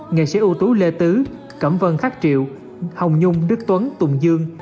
nghệ sĩ dân trung đức tuấn tùng dương